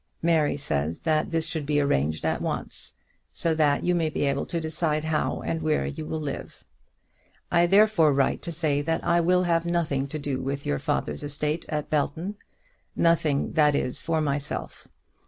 Mary says that this should be arranged at once, so that you may be able to decide how and where you will live. I therefore write to say that I will have nothing to do with your father's estate at Belton; nothing, that is, for myself.